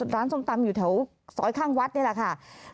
ส้มตำอยู่แถวซอยข้างวัดนี่แหละค่ะ